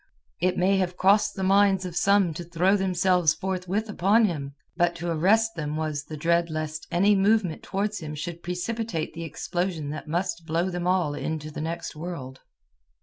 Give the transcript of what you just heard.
It may have crossed the minds of some to throw themselves forthwith upon him; but to arrest them was the dread lest any movement towards him should precipitate the explosion that must blow them all into the next world.